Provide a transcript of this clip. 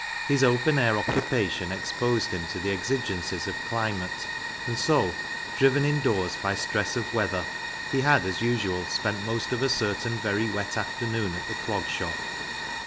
His open air occupation exposed him to the exigencies of cHmate, and so, driven indoors by stress of weather, he had as usual spent most of a certain very wet afternoon at the Clog Shop.